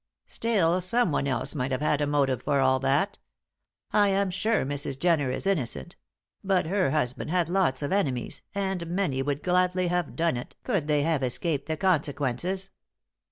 "Still, someone else might have had a motive for all that. I am sure Mrs. Jenner is innocent; but her husband had lots of enemies, and many would gladly have done it, could they have escaped the consequences.